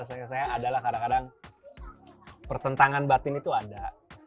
rasanya saya adalah kadang kadang pertentangan batin itu ada